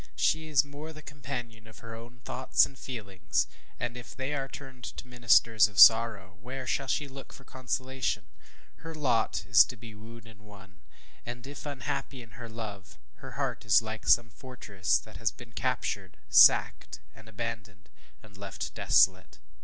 She is more the companion of her own thoughts and feelings; and if they are turned to ministers of sorrow, where shall she look for consolation? Her lot is to be wooed and won; and if unhappy in her love, her heart is like some fortress that has been captured, and sacked, and abandoned, and left desolate.